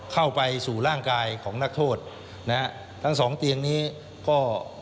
เข้าไปสู่ร่างกายของนักโทษนะฮะทั้งสองเตียงนี้ก็